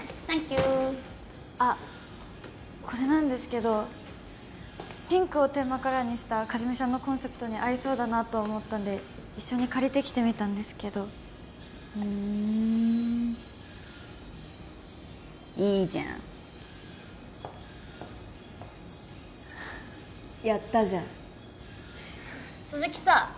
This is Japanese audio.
サンキューあっこれなんですけどピンクをテーマカラーにした和美さんのコンセプトに合いそうだなと思ったんで一緒に借りてきてみたんですけどふんいいじゃんやったじゃん鈴木さ